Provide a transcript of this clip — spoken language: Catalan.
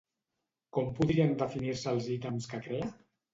Com podrien definir-se els ítems que crea?